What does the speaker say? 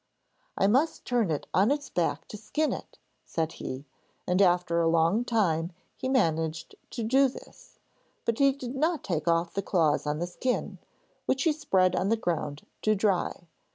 'I must turn it on its back to skin it,' said he, and after a long time he managed to do this: But he did not take off the claws on the skin, which he spread on the ground to dry.